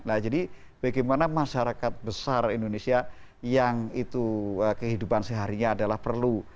nah jadi bagaimana masyarakat besar indonesia yang itu kehidupan seharinya adalah perlu